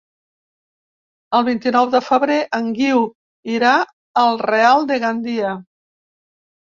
El vint-i-nou de febrer en Guiu irà al Real de Gandia.